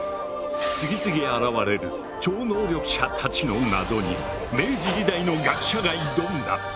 次々現れる超能力者たちの謎に明治時代の学者が挑んだ！